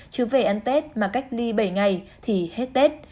chứ về ăn tết mà cách ly bảy ngày thì hết tết